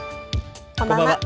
こんばんは。